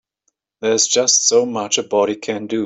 There's just so much a body can do.